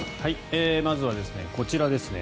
まずはこちらですね。